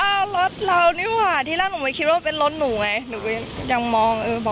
อ่าวรถเรานี่หว่าที่รอดผมคิดว่าเป็นรถหนูไงหนูก็ยังมอง